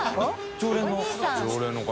常連の方。